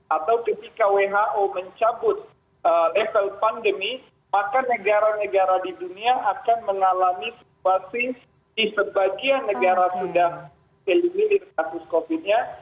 atau ketika who mencabut level pandemi maka negara negara di dunia akan mengalami situasi di sebagian negara sudah selibilir kasus covid nya